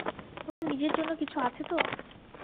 তোমার নিজের জন্য কিছু আছে তো?